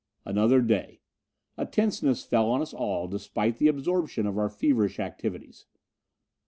Another day. A tenseness fell on us all, despite the absorption of our feverish activities.